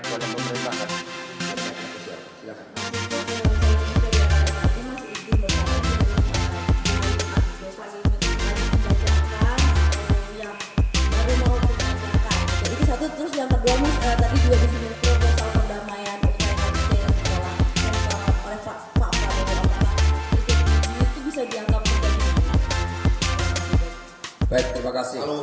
baik terima kasih